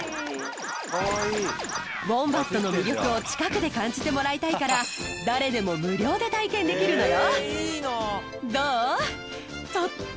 ウォンバットの魅力を近くで感じてもらいたいから誰でも無料で体験できるのよ